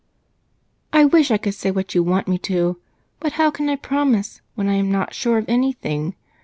"I wish I could say what you want me to. But how can I promise when I am not sure of anything?